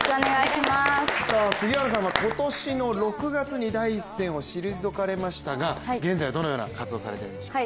杉原さんは今年の６月に第一線を退かれましたが現在はどのような活動をされてるんでしょうか？